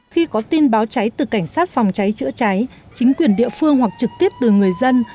khi có tin báo cháy từ cảnh sát phòng cháy chữa cháy chính quyền địa phương hoặc trực tiếp từ người dân